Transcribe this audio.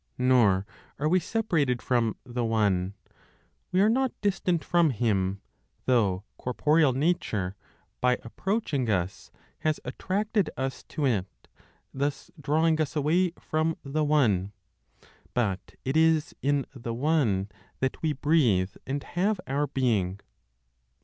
Nor are we separated from the One; we are not distant from Him, though corporeal nature, by approaching us, has attracted us to it (thus drawing us away from the One). But it is in the One that we breathe and have our being.